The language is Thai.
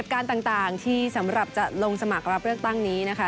ก็สามารถติดตามการแถลงข่าวนะคะ